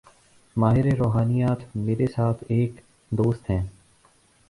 ماہر روحانیات: میرے ساتھ ایک دوست ہیں۔